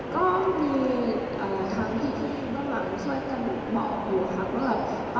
ก็มีทางพี่ที่บ้างช่วยกันบอกดูครับ